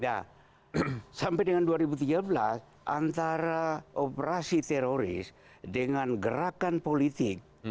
nah sampai dengan dua ribu tiga belas antara operasi teroris dengan gerakan politik